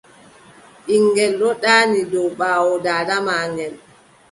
Ɓiŋngel ɗon ɗaani dow ɓaawo daada maagel.